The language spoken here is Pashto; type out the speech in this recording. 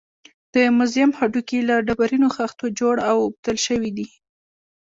د موزیم هډوکي له ډبرینو خښتو جوړ او اوبدل شوي دي.